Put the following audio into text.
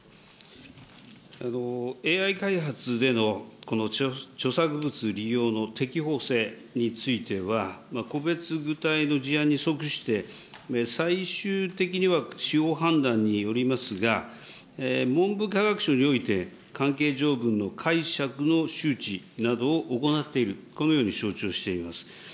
ＡＩ開発でのこの著作物利用の適法性については、個別具体の事案に則して、最終的には司法判断によりますが、文部科学省において、関係条文の解釈の周知などを行っている、このように承知をしています。